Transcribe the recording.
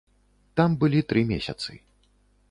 Там былі тры месяцы.